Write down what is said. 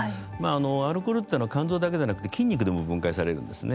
アルコールというのは肝臓だけではなくて筋肉でも分解されるんですよね。